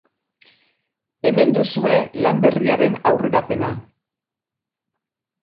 Hemen duzue lan berriaren aurrerapena.